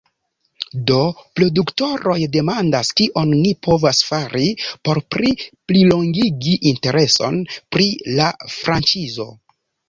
Do produktoroj demandas; kion ni povas fari por pli plilongigi intereson pri la franĉizo?